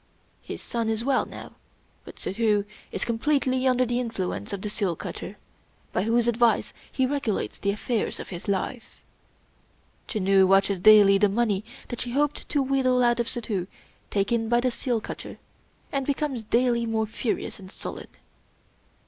His son is well now; but Suddhoo is completely under the in fluence of the seal cutter, by whose advice he regulates the affairs of his life. Janoo watches daily the money that she hoped to wheedle out of Suddhoo taken by the seal cutter, and becomes daily more furious and sullen.